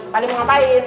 kalian mau ngapain